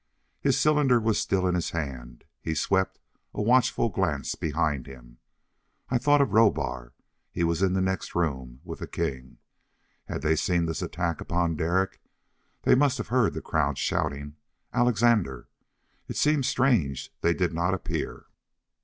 His cylinder was still in his hand; he swept a watchful glance behind him. I thought of Rohbar. He was in the next room, with the king. Had they seen this attack upon Derek? They must have heard the crowd shouting, "Alexandre!" It seemed strange they did not appear.